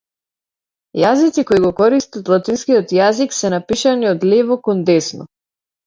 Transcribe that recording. Јазици кои го користат латинскиот јазик се напишани од лево кон десно.